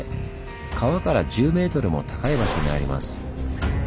川から１０ｍも高い場所にあります。